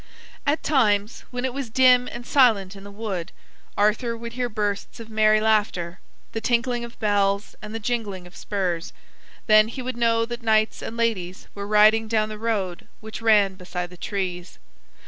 At times, when it was dim and silent in the wood, Arthur would hear bursts of merry laughter, the tinkling of bells, and the jingling of spurs. Then he would know that knights and ladies were riding down the road which ran beside the trees.